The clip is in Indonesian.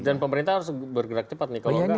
dan pemerintah harus bergerak cepat nih kalau enggak